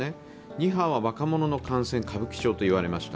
２波は若者の感染、歌舞伎町といわれました。